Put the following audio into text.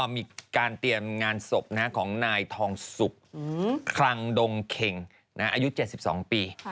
มีการเตรียมงานศพของนายทองสุกคลังดงเข็งอายุ๗๒ปี